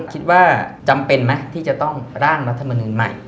คิดว่าจำเป็นไหมที่จะต้องร่างรัฐมนุนใหม่